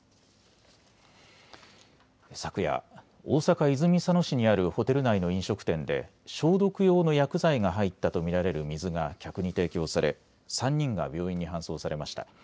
昨夜、大阪泉佐野市にあるホテル内の飲食店で消毒用の薬剤が入ったと見られる水が客に提供され３人が病院に搬送されました。